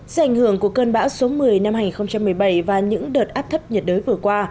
do ảnh hưởng của cơn bão số một mươi năm hai nghìn một mươi bảy và những đợt áp thấp nhiệt đới vừa qua